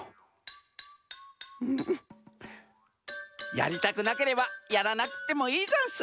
やりたくなければやらなくてもいいざんす。